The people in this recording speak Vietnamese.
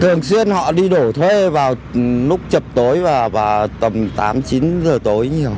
thường xuyên họ đi đổ thuê vào lúc chập tối và tầm tám chín giờ tối nhiều